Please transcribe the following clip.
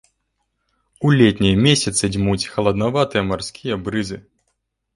У летнія месяцы дзьмуць халаднаватыя марскія брызы.